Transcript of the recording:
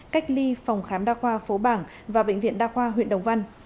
cách ly phòng khám đa khoa phố bảng và bệnh viện đa khoa huyện đồng văn